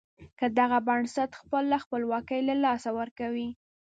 که دغه بنسټ خپله خپلواکي له لاسه ورکړي.